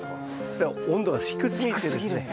それは温度が低すぎてですね。